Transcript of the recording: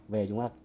về chúng ta